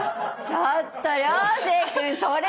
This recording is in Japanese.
ちょっと涼星君それ！